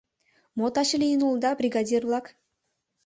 — Мо таче лийын улыда, бригадир-влак?